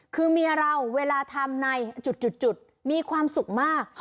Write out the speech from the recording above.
คือเมียเราเวลาทำในจุดมีความสุขมาก